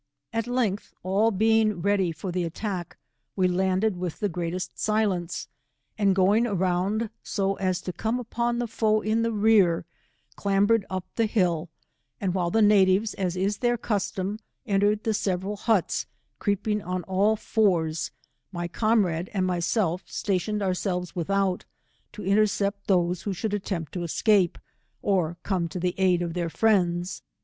At length all being ready for the atlatk, we 150 landed with the greatest silence, and going around 80 as to come apoo the foe in the rear, clambered up the hilJ, and while the natives, as is their custom, entered the several huts, creeping on all fours, ray comrade and myself stationed ourselves without, to intercept those who should attempt to escape, or come to the aid of their friends.